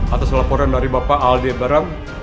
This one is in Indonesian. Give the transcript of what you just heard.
atas laporan dari bapak aldi baram